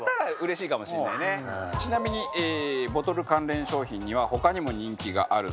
ちなみにボトル関連商品には他にも人気があるそうです。